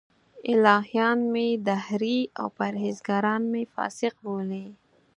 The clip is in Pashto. الهیان مې دهري او پرهېزګاران مې فاسق بولي.